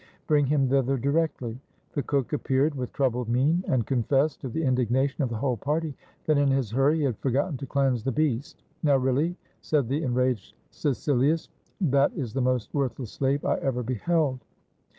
Bring him thither directly." The cook appeared with troubled mien, and confessed, to the indignation of the whole party, that in his hurry he had forgotten to cleanse the beast. "Now, really," said the enraged Csecilius, "that is the most worthless slave I ever beheld.